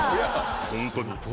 ホントに。